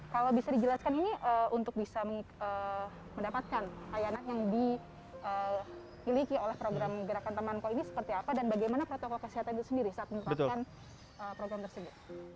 kalau bisa dijelaskan ini untuk bisa mendapatkan layanan yang dimiliki oleh program gerakan temanko ini seperti apa dan bagaimana protokol kesehatan itu sendiri saat menerapkan program tersebut